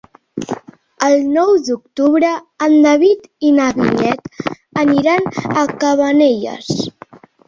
El nou d'octubre en David i na Vinyet aniran a Cabanelles.